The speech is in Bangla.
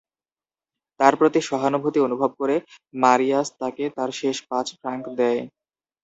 তার প্রতি সহানুভূতি অনুভব করে, মারিয়াস তাকে তার শেষ পাঁচ ফ্রাঙ্ক দেয়।